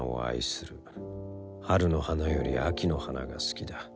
春の花より秋の花が好きだ。